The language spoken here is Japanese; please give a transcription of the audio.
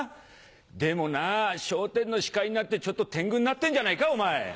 でもな『笑点』の司会になってちょっと天狗になってんじゃないかお前。